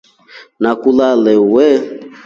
Nakuue lala uu.